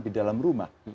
di dalam rumah